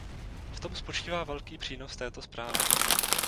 V tom spočívá velký přínos této zprávy.